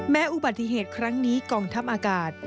อุบัติเหตุครั้งนี้กองทัพอากาศ